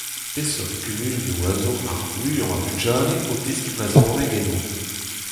Peseurt kumunioù a zo ar muiañ a vugale o teskiñ brezhoneg enno ?